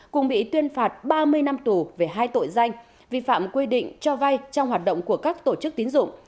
cùng bị tuyên phạt ba mươi năm tù về hai tội danh vi phạm quy định cho vay trong hoạt động của các tổ chức tín dụng